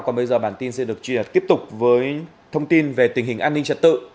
còn bây giờ bản tin sẽ được truyền tiếp tục với thông tin về tình hình an ninh trật tự